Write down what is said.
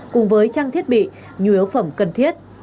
cùng với trang thiết bị nhu yếu phẩm cần thiết